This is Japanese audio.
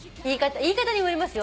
言い方にもよりますよ。